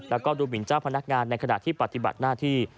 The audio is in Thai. แล้วก็ดูหมินเจ้าพนักงานในขณะที่ปฏิบัติหน้าที่